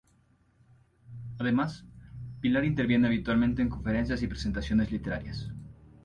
Además, Pilar interviene habitualmente en conferencias y presentaciones literarias.